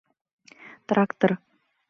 Трактыр...